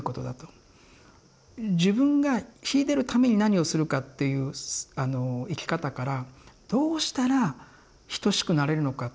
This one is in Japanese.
自分が秀でるために何をするかっていう生き方からどうしたら等しくなれるのかっていうところへ。